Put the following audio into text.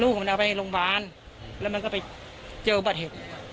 มันเอาไปโรงพยาบาลแล้วมันก็ไปเจออุบัติเหตุ